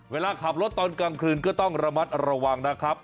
เวลาขับรถตอนกลางคืนก็ต้องระมัดระวังนะครับ